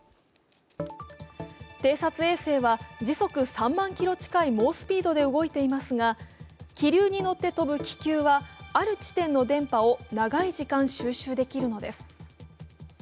偵察衛星は、時速３万キロメートル近い猛スピードで動いていますが気流に乗って飛ぶ気球はある地点の電波を長い時間、収集できるのです。